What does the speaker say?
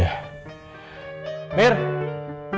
saya nyusun myrna dulu bu ya